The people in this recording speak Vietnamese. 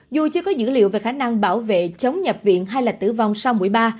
dù chưa có dữ liệu về khả năng bảo vệ chống nhập viện hay là tử vong sau mũi ba